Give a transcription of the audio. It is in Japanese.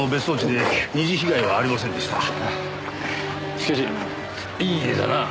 しかしいい家だな。